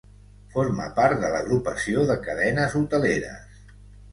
Forma part de l'Agrupació de Cadenes Hoteleres.